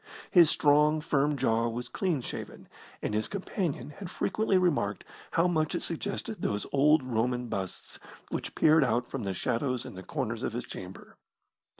His strong, firm jaw was clean shaven, and his companion had frequently remarked how much it suggested those old Roman busts which peered out from the shadows in the corners of his chamber.